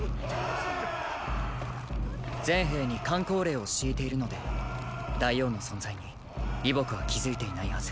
全兵に箝口令をしいているので大王の存在に李牧は気付いていないはず。